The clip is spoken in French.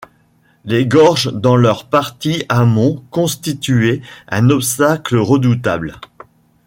Les gorges dans leur partie amont constituaient un obstacle redoutable.